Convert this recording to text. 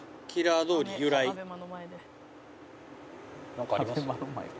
なんかあります？